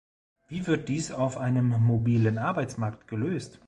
Wie wird dies auf einem mobilen Arbeitsmarkt gelöst?